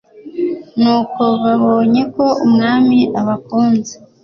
nuko babonye ko umwami abakunze